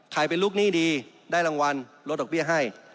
เป็นลูกหนี้ดีได้รางวัลลดดอกเบี้ยให้